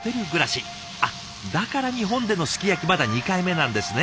あっだから日本でのすき焼きまだ２回目なんですね。